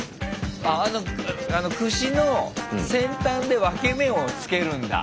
あのくしの先端で分け目をつけるんだ。